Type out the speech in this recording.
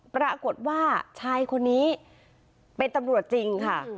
ปรากฏว่าชายคนนี้เป็นตำรวจจริงค่ะ